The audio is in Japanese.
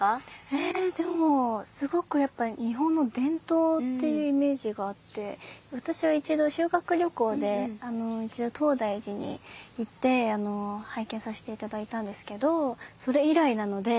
えでもすごくやっぱり日本の伝統っていうイメージがあって私は一度修学旅行で東大寺に行って拝見させて頂いたんですけどそれ以来なので。